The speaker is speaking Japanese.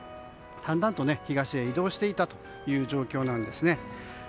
だんだんと東へ移動していったという状況なんですね。